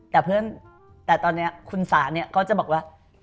แต่เพื่อนแต่ตอนนี้คุณสาเนี่ยก็จะบอกว่า